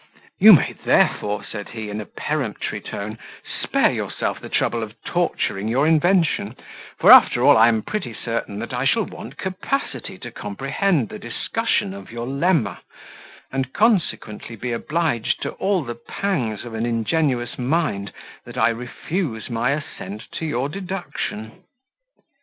"You may therefore," said he, in a peremptory tone, "spare yourself the trouble of torturing your invention; for, after all, I am pretty certain that I shall want capacity to comprehend the discussion of your lemma, and consequently be obliged to all the pangs of an ingenuous mind that I refuse my assent to your deduction."